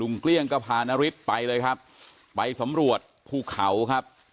เกลี้ยงก็พานฤทธิ์ไปเลยครับไปสำรวจภูเขาครับ